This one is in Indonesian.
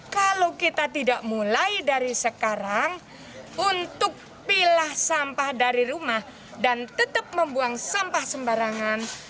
kalau kita tidak mulai dari sekarang untuk pilah sampah dari rumah dan tetap membuang sampah sembarangan